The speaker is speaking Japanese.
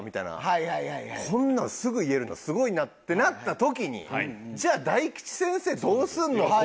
こんなんすぐ言えるのすごいなってなった時にじゃあ大吉先生どうすんの？